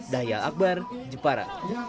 daya akbar jepara